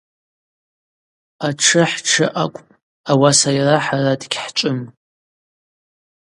Атшы хӏтшы акӏвпӏ, ауаса йара хӏара дгьхӏчӏвым.